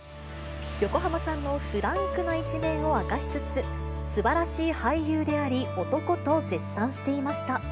横浜さんのフランクな一面を明かしつつ、すばらしい俳優であり、男と絶賛していました。